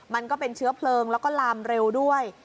มันก็เป็นเชื้อเพลิงแล้วก็ลามเร็วด้วย